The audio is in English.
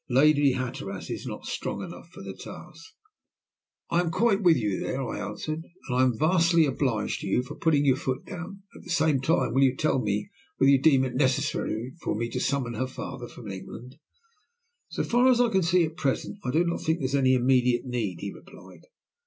Lady Hatteras is not strong enough for the task." "I am quite with you there," I answered. "And I am vastly obliged to you for putting your foot down. At the same time, will you tell me whether you deem it necessary for me to summon her father from England?" "So far as I can see at present, I do not think there is any immediate need," he replied.